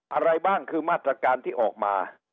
อะไรบ้างคือมาตรการที่ออกมา